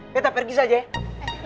kita pergi saja ya